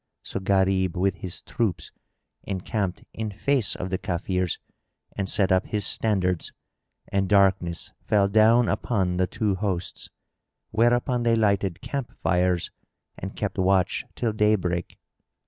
So Gharib with his troops encamped in face of the Kafirs and set up his standards, and darkness fell down upon the two hosts, whereupon they lighted camp fires and kept watch till daybreak.